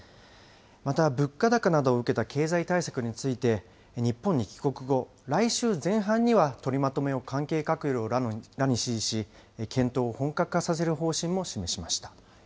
また、物価高などを受けた経済対策について、日本に帰国後、来週前半には取りまとめを関係閣僚らに指示し、検討を本格化させる方針も示しました。